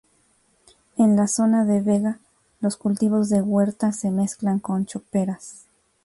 En la zona de vega, los cultivos de huerta se mezclan con choperas.